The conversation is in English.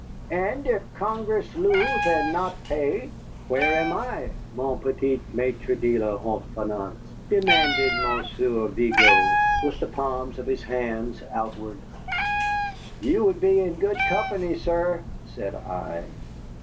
"And if Congress lose, and not pay, where am I, mon petit maître de la haute finance?" demanded Monsieur Vigo, with the palms of his hands outward. "You will be in good company, sir," said I.